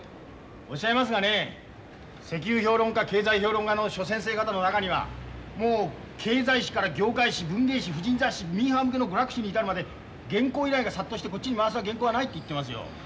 おっしゃいますがね石油評論家経済評論家の諸先生方の中にはもう経済誌から業界誌文芸誌婦人雑誌ミーハー向けの娯楽誌に至るまで原稿依頼が殺到してこっちに回す原稿がないって言ってますよ。